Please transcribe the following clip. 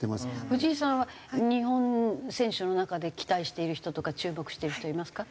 藤井さんは日本選手の中で期待している人とか注目してる人いますか？